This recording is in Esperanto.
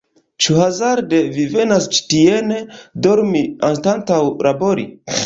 Ĉu hazarde Vi venas ĉi tien dormi anstataŭ labori?